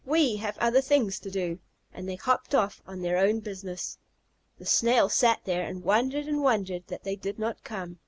We have other things to do," and they hopped off on their own business. The Snail sat there, and wondered and wondered that they did not come.